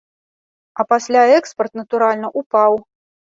А пасля экспарт, натуральна, упаў.